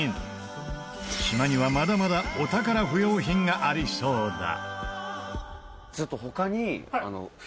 島にはまだまだお宝不要品がありそうだ。